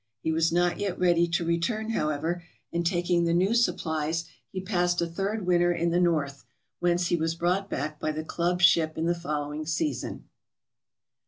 He was not yet ready to return, however, and taking the new supplies, he passed a third winter in the North, whence he was brought back by the Club's ship in the following season.